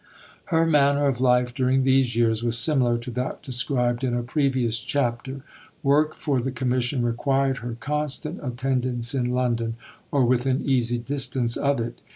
Her manner of life during these years was similar to that described in a previous chapter. Work for the Commission required her constant attendance in London or within easy distance of it.